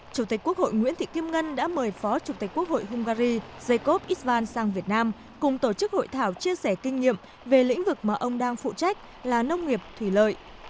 chủ tịch quốc hội nguyễn thị kim ngân đã mời phó chủ tịch quốc hội hungary jakov ivan sang việt nam cùng tổ chức hội thảo chia sẻ kinh nghiệm về lĩnh vực mà ông đang phụ trách là nông nghiệp thủy lợi